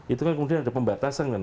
itu kan kemudian ada pembatasan kan